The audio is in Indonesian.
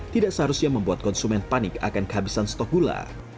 tidak seharusnya membuat konsumen panik akan kehabisan stok gula